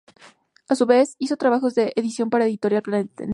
A su vez, hizo trabajos de edición para Editorial Planeta.